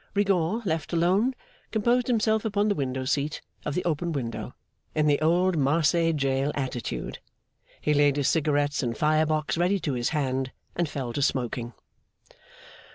Rigaud, left alone, composed himself upon the window seat of the open window, in the old Marseilles jail attitude. He laid his cigarettes and fire box ready to his hand, and fell to smoking.